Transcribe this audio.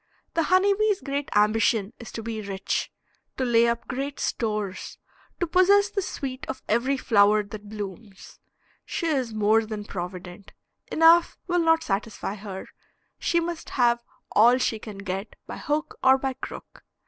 The honeybee's great ambition is to be rich, to lay up great stores, to possess the sweet of every flower that blooms. She is more than provident. Enough will not satisfy her, she must have all she can get by hook or by crook.